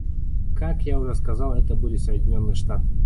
Как я уже сказал, это были Соединенные Штаты.